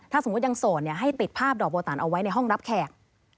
ถ้าสมมุติยังโสดให้ติดภาพดอกโบตันเอาไว้ในห้องรับแขก